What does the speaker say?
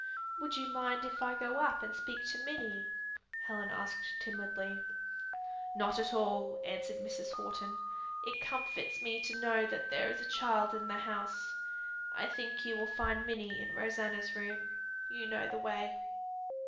"Would you mind if I go up and speak to Minnie?" Helen asked timidly. "Not at all," answered Mrs. Horton. "It comforts me to know that there is a child in the house. I think you will find Minnie in Rosanna's room. You know the way."